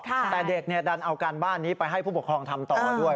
แต่เด็กดันเอาการบ้านนี้ไปให้ผู้ปกครองทำต่อด้วย